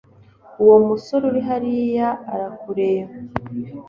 Uwo musore uri hariya arakureba.